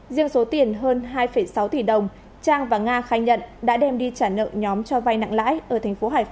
riêng số tiền hơn hai sáu tỷ đồng trang và nga khai nhận đã đem đi trả nợ nhóm cho vay nặng lãi ở tp hcm và một số người khác